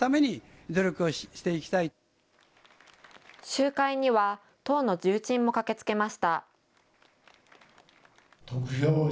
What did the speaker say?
集会には党の重鎮も駆けつけました。